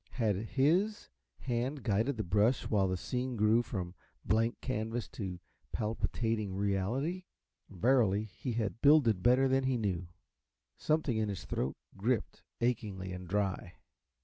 Had HIS hand guided the brush while that scene grew from blank canvas to palpitating reality? Verily, he had "builded better than he knew." Something in his throat gripped, achingly and dry.